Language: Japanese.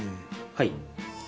はい。